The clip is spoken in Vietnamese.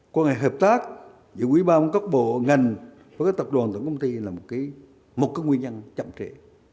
quân hệ hợp tác giữa ủy ban quốc bộ ngành và các tập đoàn tổng công ty là một nguyên nhân chậm trễ